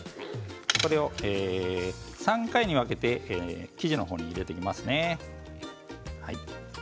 これを３回に分けて生地の方に入れていきますね。